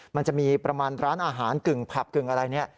มันจะมีประมาณร้านอาหารกึ่งผับกึ่งอะไรเนี่ย